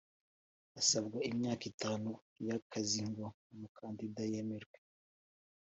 hasabwa imyaka itanu y akazi ngo umukandida yemerwe